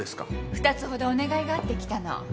２つほどお願いがあって来たの